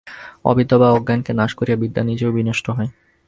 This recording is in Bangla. অবিদ্যা বা অজ্ঞানকে নাশ করিয়া বিদ্যা নিজেও বিনষ্ট হয়।